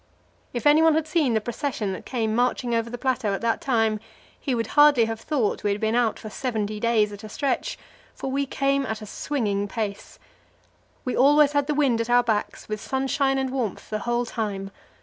If anyone had seen the procession that came marching over the plateau at that time, he would hardly have thought we had been out for seventy days at a stretch, for we came at a swinging pace. We always had the wind at our backs, with sunshine and warmth the whole time.